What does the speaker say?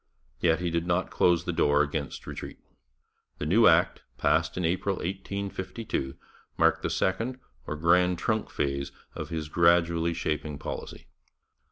Yet he did not close the door against retreat. The new Act, passed in April 1852, marked the second or Grand Trunk phase of his gradually shaping policy.